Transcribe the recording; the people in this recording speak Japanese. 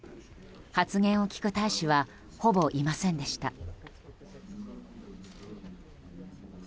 発言を聞く大使はほぼいませんでした。